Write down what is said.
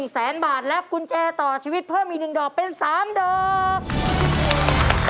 แสนบาทและกุญแจต่อชีวิตเพิ่มอีก๑ดอกเป็น๓ดอก